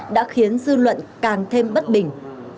đã khiến dư luận càng thêm bất bình